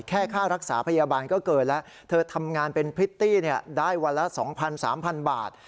ค่ารักษาพยาบาลก็เกินแล้วเธอทำงานเป็นพริตตี้ได้วันละ๒๐๐๓๐๐บาท